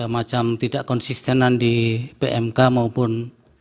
macam tidak konsistenan di pmk maupun